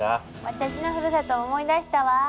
私のふるさとを思い出したわ。